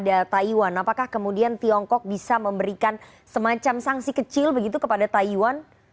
apakah kemudian tiongkok bisa memberikan semacam sanksi kecil begitu kepada taiwan